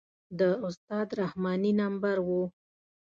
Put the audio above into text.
د استاد رحماني نمبر و.